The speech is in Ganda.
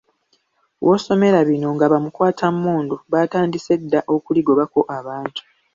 W'osomera bino nga bamukwatammundu baatandise dda okuligobako abantu.